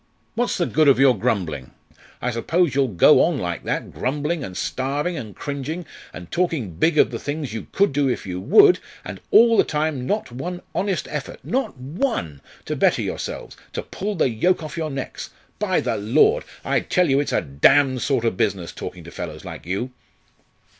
What's the good of your grumbling? I suppose you'll go on like that grumbling and starving and cringing and talking big of the things you could do if you would: and all the time not one honest effort not one! to better yourselves, to pull the yoke off your necks! By the Lord! I tell you it's a damned sort of business talking to fellows like you!"